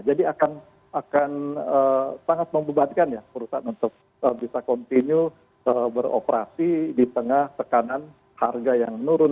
jadi akan sangat membebankan ya perusahaan untuk bisa continue beroperasi di tengah tekanan harga yang menurun